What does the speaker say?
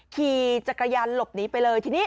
ขี่จักรยานลบนี้ไปเลย